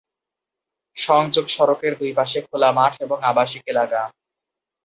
সংযোগ সড়কের দুইপাশে খোলা মাঠ এবং আবাসিক এলাকা।